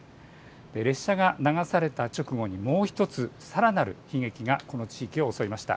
列車が流された直後、もう１つ、さらなる悲劇がこの地域を襲いました。